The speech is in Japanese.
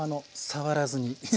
触らずに。